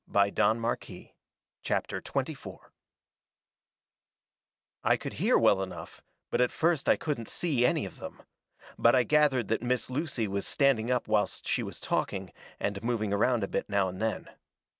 Which we done it. CHAPTER XXIV I could hear well enough, but at first I couldn't see any of them. But I gathered that Miss Lucy was standing up whilst she was talking, and moving around a bit now and then.